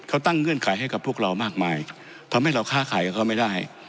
เขาตั้งเงื่อนไขให้กับพวกเรามากมายทำให้เราค้าขายกับเขาไม่ได้